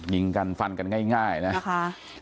ยิงกันฟันกันง่ายนะคะ